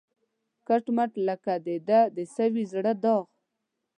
کټ مټ لکه د ده د سوي زړه داغ